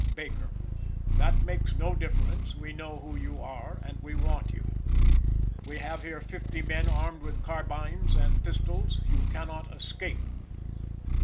Baker. "That makes no difference. We know who you are, and we want you. We have here fifty men, armed with carbines and pistols. You cannot escape."